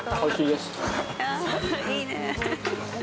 いいね。